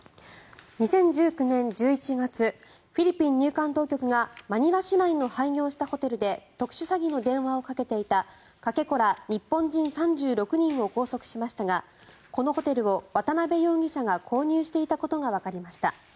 ２０１９年１１月フィリピン入管当局がマニラ市内の廃業したホテルで特殊詐欺の電話をかけていたかけ子ら日本人３６人を拘束しましたがこのホテルを渡邉容疑者が購入していたことがわかりました。